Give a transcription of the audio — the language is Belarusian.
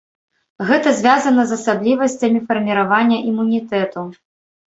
Гэта звязана з асаблівасцямі фарміравання імунітэту.